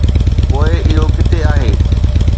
پوء اهو ڪٿي آهي؟